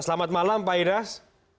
selamat malam pak inas